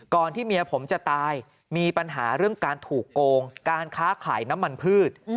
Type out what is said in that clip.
ที่เมียผมจะตายมีปัญหาเรื่องการถูกโกงการค้าขายน้ำมันพืช